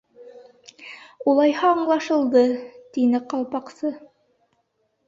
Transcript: Улайһа аңлашылды! —тине Ҡалпаҡсы.